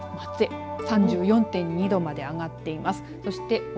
松江３４．２度まで上がっています。